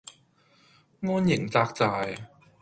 安營紮寨